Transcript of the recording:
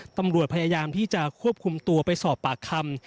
ตำรวจพยายามที่จะควบคุมตัวไปสอบปากคำ